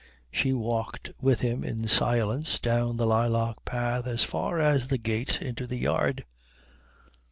She walked with him in silence down the lilac path as far as the gate into the yard.